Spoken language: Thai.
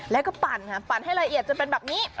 แล้วก็ปั่นค่ะปั่นให้ละเอียดจนเป็นแบบนี้